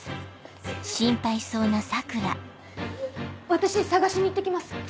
私捜しに行って来ます。